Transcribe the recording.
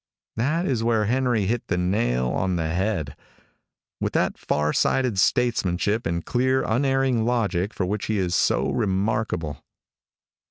That is where Henry hit the nail on the head, with that far sighted statesmanship and clear, unerring logic for which he is so remarkable.